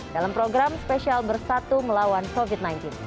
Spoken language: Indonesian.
dalam program spesial bersatu melawan covid sembilan belas